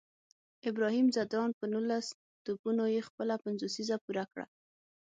ابراهیم ځدراڼ په نولس توپونو یې خپله پنځوسیزه پوره کړه